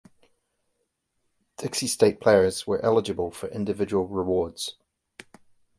Dixie State players were eligible for individual rewards.